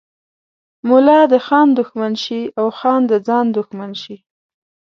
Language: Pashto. ملا د خان دښمن شي او خان د ځان دښمن شي.